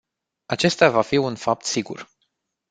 Acesta va fi un fapt sigur.